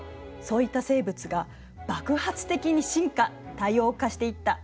そういった生物が爆発的に進化多様化していった。